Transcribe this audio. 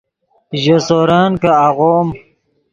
ژے سورن کہ آغوم